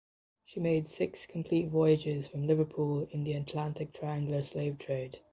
She made six complete voyages from Liverpool in the Atlantic triangular slave trade.